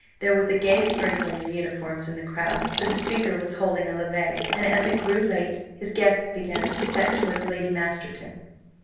There was a gay sprinkling of uniforms in the crowd, for the Speaker was holding a levée, and as it grew late his guests began to set towards Lady Masterton.